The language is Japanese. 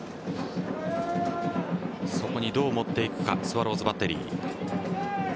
そこにどう持っていくかスワローズバッテリー。